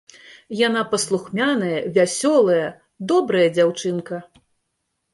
Яна паслухмяная, вясёлая, добрая дзяўчынка.